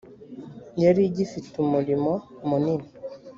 yari igifite umurimo munini